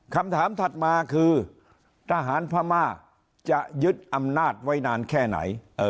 ถัดมาคือทหารพม่าจะยึดอำนาจไว้นานแค่ไหน